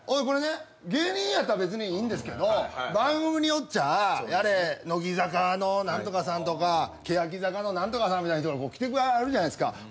これね芸人やったら別にいいんですけど番組によっちゃやれ乃木坂の何とかさんとか欅坂の何とかさんみたいな人が来てくれはるじゃないですか。